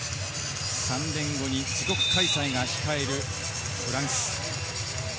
３年後に自国開催が控えるフランス。